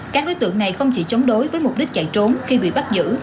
các đối tượng này không chỉ chống đối với mục đích chạy trốn khi bị bắt giữ